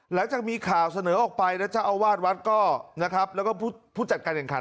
หลังจากมีข่าวเสนอออกไปนะเจ้าอาวาสวัดก็นะครับแล้วก็ผู้จัดการแข่งขัน